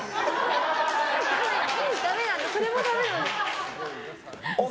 それもダメなんだ。